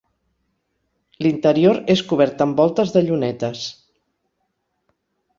L'interior és cobert amb voltes de llunetes.